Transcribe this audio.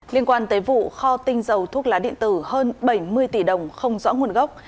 liên quan tới vụ kho tinh dầu thuốc lá điện tử hơn bảy mươi tỷ đồng không rõ nguồn gốc